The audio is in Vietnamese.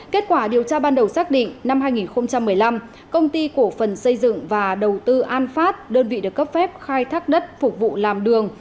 kết quả điều tra ban đầu xác định năm hai nghìn một mươi năm công ty cổ phần xây dựng và đầu tư an phát đơn vị được cấp phép khai thác đất phục vụ làm đường